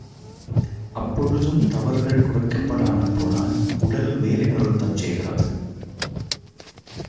அப்பொழுதும் தவறுகள் குறைக்கப்படாமற்போனால், உடல் வேலை நிறுத்தம் செய்கிறது.